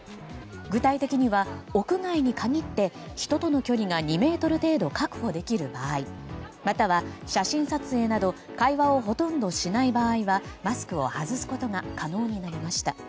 具体的には屋外に限って人との距離が２ｍ程度確保できる場合または、写真撮影など会話をほとんどしない場合はマスクを外すことが可能になりました。